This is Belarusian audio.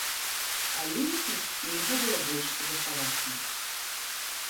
Але і тут нельга было больш заставацца.